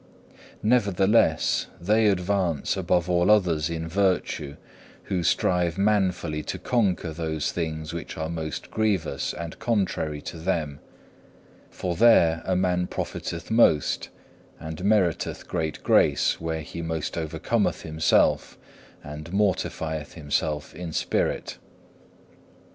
Nevertheless they advance above all others in virtue who strive manfully to conquer those things which are most grievous and contrary to them, for there a man profiteth most and meriteth greater grace where he most overcometh himself and mortifieth himself in spirit.